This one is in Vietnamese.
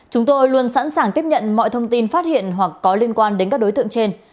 chúng tôi luôn sẵn sàng tiếp nhận mọi thông tin phát hiện hoặc có liên quan đến các đối tượng trên